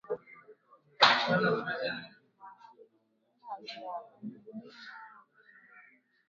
Baada ya Marekani kutoa ilani ya kusafiri kwa wale wanaotembelea mji wa Kisumu.